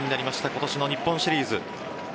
今年の日本シリーズ。